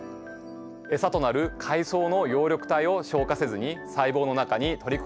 エサとなる海藻の葉緑体を消化せずに細胞の中に取り込んでしまうんです。